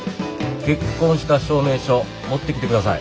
結婚した証明書持ってきてください。